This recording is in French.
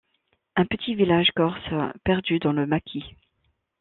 Un petit village corse perdu dans le maquis.